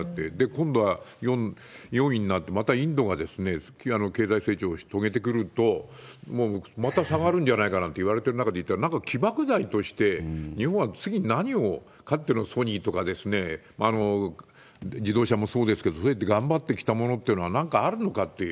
今度は４位になって、またインドが経済成長を遂げてくると、もうまた下がるんじゃないかといわれている中でいったら、なんか起爆剤として、日本は次何を、かつてのソニーとか自動車もそうですけれども、そうやって頑張ってきたものというのはなんかあるのかって。